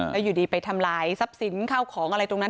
แล้วอยู่ดีไปทำลายทรัพย์สินข้าวของอะไรตรงนั้น